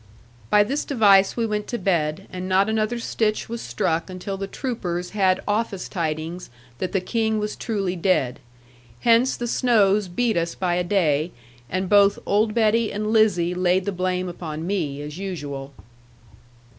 By this device we went to bed; and not another stitch was struck until the troopers had office tidings that the King was truly dead. Hence the Snowes beat us by a day; and both old Betty and Lizzie laid the blame upon me, as usual.